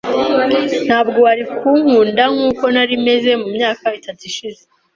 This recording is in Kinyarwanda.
Ntabwo wari kunkunda nkuko nari meze mu myaka itatu ishize.